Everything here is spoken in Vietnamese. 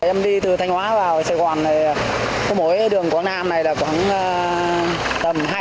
em đi từ thanh hóa vào sài gòn này có mỗi đường quảng nam này là khoảng tầm hai mươi